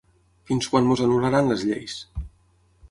Fins quan ens anul·laran les lleis?